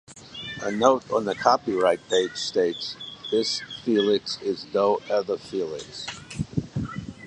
A note on the copyright page states, This Felix is no other Felix.